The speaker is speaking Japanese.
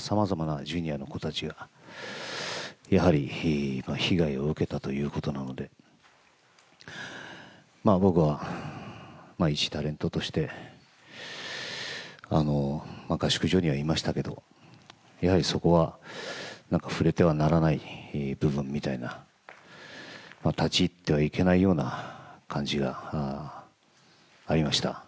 さまざまなジュニアの子たちが、やはり被害を受けたということなので、僕は、いちタレントとして、合宿所にはいましたけれども、やはりそこは、なんか触れてはならない部分みたいな、立ち入ってはいけないような感じがありました。